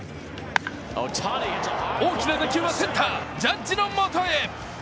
大きな打球はセンター・ジャッジのもとへ。